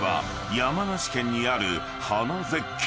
［山梨県にある花絶景］